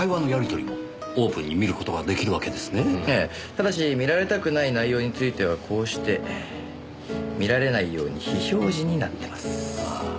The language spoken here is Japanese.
ただし見られたくない内容についてはこうして見られないように非表示になってます。